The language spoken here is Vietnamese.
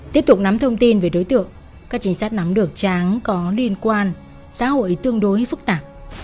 tiếp tục nắm thông tin về đối tượng các trình sát nắm được tráng có liên quan xã hội tương đối phức tạp